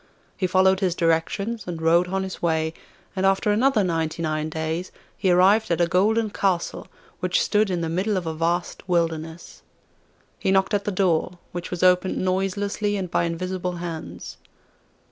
He followed his directions, and rode on his way, and after another ninety nine days he arrived at a golden castle, which stood in the middle of a vast wilderness. He knocked at the door, which was opened noiselessly and by invisible hands.